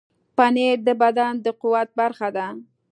پنېر د بدن د قوت برخه ده.